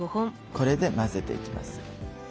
これで混ぜていきます。